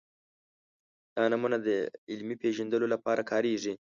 دا نومونه د علمي پېژند لپاره کارېږي.